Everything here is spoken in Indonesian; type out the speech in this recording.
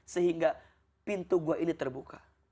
sehingga pintu gua ini terbuka